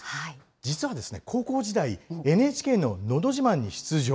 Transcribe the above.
実は高校時代、ＮＨＫののど自慢に出場。